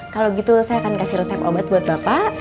kalau gitu saya akan kasih resep obat buat bapak